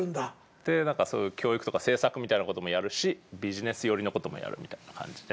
でそういう教育とか政策みたいなこともやるしビジネス寄りのこともやるみたいな感じで。